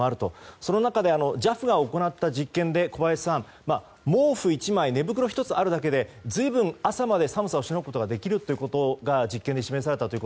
その中でＪＡＦが行った実験で小林さん、毛布１枚寝袋１つあるだけで朝まで寒さをしのげることがあるということですよね。